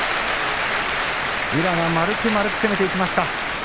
宇良が丸く丸く攻めていきました。